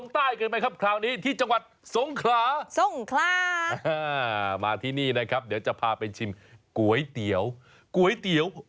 เดือดมาจึงแถวนี้เลย